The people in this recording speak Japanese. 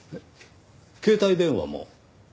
携帯電話も？